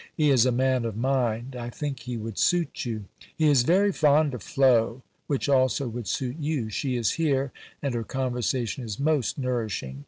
He is a man of mind; I think he would suit you. He is very fond of Flo, which also would suit you. She is here, and her conversation is most nourishing.